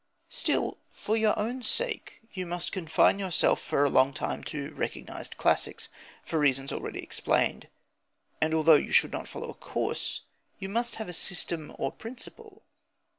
Still, for your own sake you must confine yourself for a long time to recognised classics, for reasons already explained. And though you should not follow a course, you must have a system or principle.